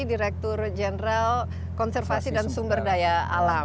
direktur jenderal konservasi dan sumber daya alam